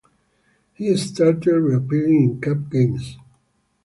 He started reappearing in cup games.